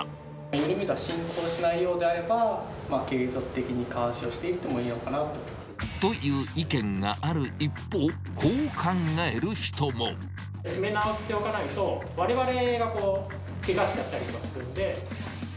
緩みが進行しないようであれば、継続的に監視をしていってもいいのかなと。という意見がある一方、締め直しておかないと、われわれがけがしちゃったりとかするんで。